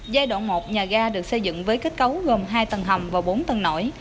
giai đoạn một nhà ga được xây dựng với kết cấu gồm hai tầng hầm và bốn tầng nổi